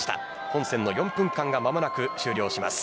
本戦の４分間が間もなく終了します。